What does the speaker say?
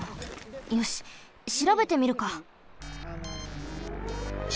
よししらべてみるか。